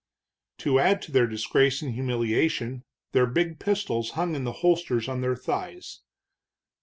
To add to their disgrace and humiliation, their big pistols hung in the holsters on their thighs.